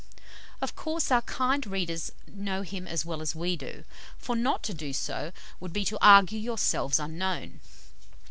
Of course our kind readers know him as well as we do, for not to do so "would be to argue yourselves unknown."